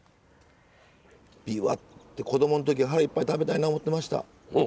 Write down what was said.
びわって子供の時腹いっぱい食べたいな思ってました。